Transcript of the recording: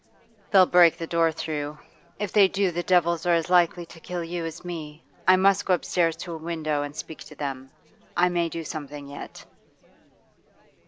'They'll break the door through. If they do, the devils are as likely to kill you as me. I must go upstairs to a window and speak to them. I may do something yet.